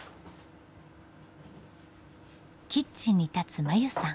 キッチンに立つ真優さん。